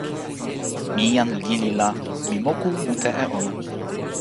mi jan lili la, mi moku mute e ona.